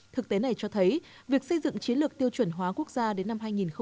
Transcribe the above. thực tế này cho thấy việc xây dựng chiến lược tiêu chuẩn hóa quốc gia đến năm hai nghìn ba mươi